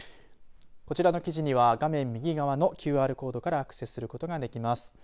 こちらの記事には、画面右側のＱＲコードからアクセスすることができます。